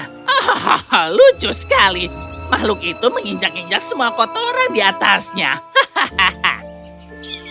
hahaha lucu sekali makhluk itu menginjak injak semua kotoran di atasnya hahaha